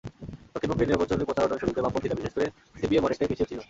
দক্ষিণবঙ্গে নির্বাচনী প্রচারণার শুরুতে বামপন্থীরা, বিশেষ করে সিপিএম অনেকটাই পিছিয়ে ছিল।